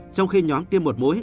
trong khi nhóm tiêm một mũi